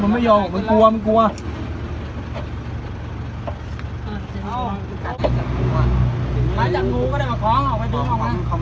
มันไม่โยมันกลัวมันกลัว